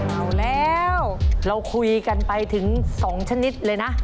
เอาแล้วเราคุยกันไปถึง๒ชนิดเลยนะ